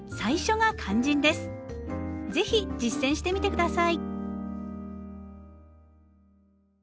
是非実践してみて下さい。